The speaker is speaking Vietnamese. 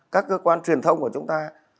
các cơ quan truyền thông của chúng ta